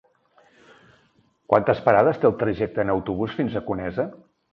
Quantes parades té el trajecte en autobús fins a Conesa?